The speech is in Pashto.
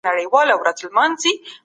تاسي تل د خپلو همکارانو سره مرسته کوئ.